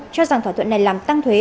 cho rằng thỏa thuận này làm tăng thuế